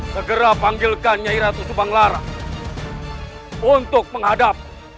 segera panggilkan nyai ratu subang lara untuk menghadap